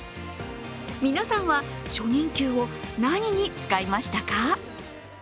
皆さんは、初任給を何に使いましたか？